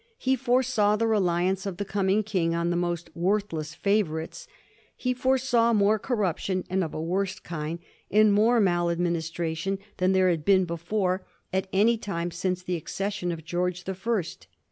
He foresaw the reliance of the coming King on the most worthless favorites. He foresaw more corruption and of a worse kind, and more maladministra tion, than there had been before at any time since the accession of George the First.